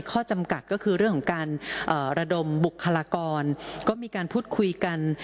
ข้อจำกัดก็คือเรื่องของการระดมบุคลากรก็มีการพูดคุยกัน